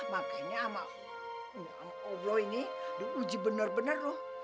makanya sama oblo ini di uji bener bener loh